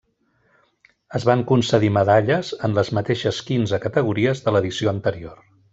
Es van concedir medalles en les mateixes quinze categories de l'edició anterior.